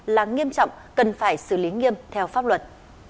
là nghiêm trọng cần phải xử lý nghiêm theo pháp luật